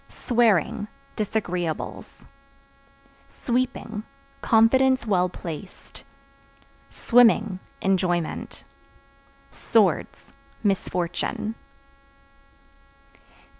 Swearing Disagreeables. Sweeping Confidence well placed. Swimming Enjoyment. Swords Misfortune.